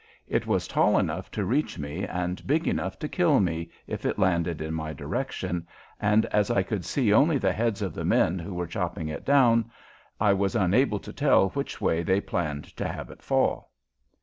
It was tall enough to reach me and big enough to kill me if it landed in my direction, and as I could see only the heads of the men who were chopping it down, I was unable to tell which way they planned to have it fall.